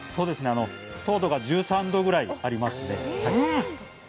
糖度が１３度ぐらいあります。